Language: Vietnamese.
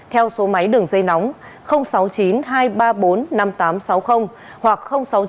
theo số máy đường dây nóng sáu mươi chín hai trăm ba mươi bốn năm nghìn tám trăm sáu mươi hoặc sáu mươi chín hai trăm ba mươi hai một nghìn sáu trăm sáu mươi